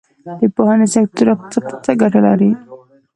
د پوهنې سکتور اقتصاد ته څه ګټه لري؟